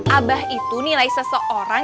abah itu nilai seseorang